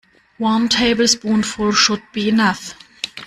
One tablespoonful should be enough.